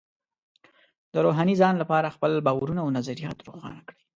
د روحاني ځان لپاره خپل باورونه او نظریات روښانه کړئ.